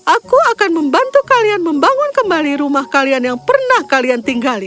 aku akan membantu kalian membangun kembali rumah kalian yang pernah kalian tinggali